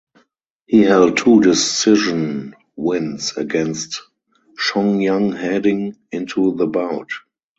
He held two decision wins against Chongyang heading into the bout.